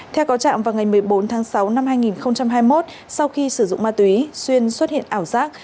theo có trạm vào ngày một mươi bốn tháng sáu năm hai nghìn hai mươi một sau khi sử dụng ma túy xuyên xuất hiện ảo giác